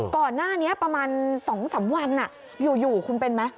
ก่อนหน้านี้ประมาณ๒๓วันอยู่คุณเป็นไหม